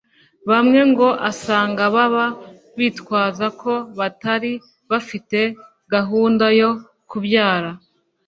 Bamwe ngo usanga baba bitwaza ko batari bafite gahunda yo kubyara